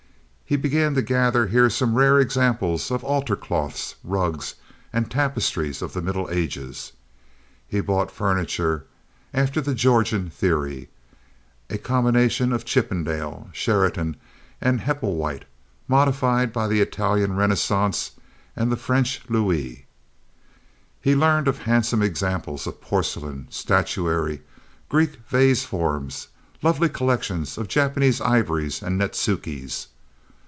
He began to gather here some rare examples of altar cloths, rugs, and tapestries of the Middle Ages. He bought furniture after the Georgian theory—a combination of Chippendale, Sheraton, and Heppelwhite modified by the Italian Renaissance and the French Louis. He learned of handsome examples of porcelain, statuary, Greek vase forms, lovely collections of Japanese ivories and netsukes.